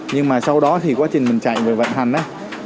nhưng mà sau đó thì quá trình mình chạy về vận hành